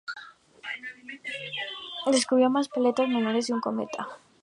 Descubrió más de cien planetas menores y un cometa.